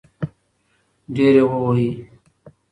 ډېر يې ووهی .